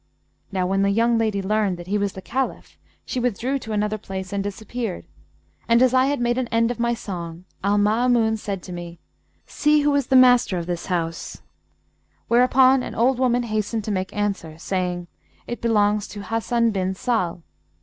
Now when the young lady learned that he was the Caliph, she withdrew to another place and disappeared; and, as I had made an end of my song, Al Maamun said to me, 'See who is the master of this house', whereupon an old woman hastened to make answer, saying, 'It belongs to Hasan bin Sahl.'